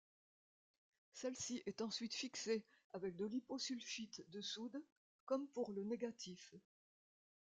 Celle-ci est ensuite fixée avec de l'hyposulfite de soude, comme pour le négatif.